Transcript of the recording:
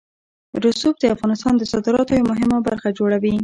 رسوب د افغانستان د صادراتو یوه مهمه برخه جوړوي.